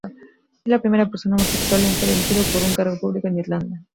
Es la primera persona homosexual en ser elegido para un cargo público en Irlanda.